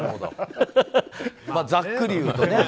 ざっくり言うとね。